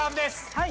はい。